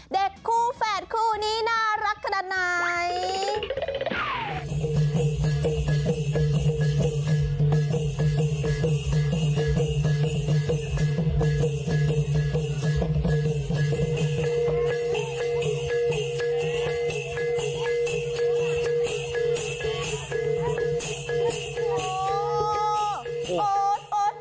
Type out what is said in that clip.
เด็กคู่แฝดคู่นี้น่ารักขนาดไหน